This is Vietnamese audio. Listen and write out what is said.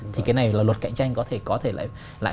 thì cái này là luật cạnh tranh có thể lại